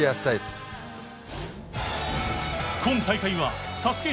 今大会はＳＡＳＵＫＥ